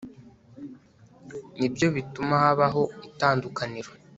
Nibyo bituma habaho itandukaniro